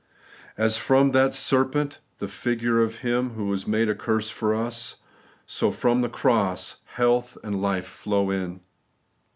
As from that serpent,— the figure of Him who was ' made a curse for us,' — so from the cross health and life flow in.